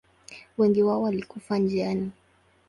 Wengi wao walikufa njiani.